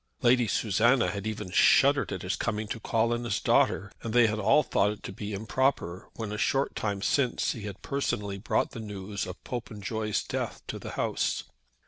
Lady Susanna had even shuddered at his coming to call on his daughter, and they had all thought it to be improper when a short time since he had personally brought the news of Popenjoy's death to the house.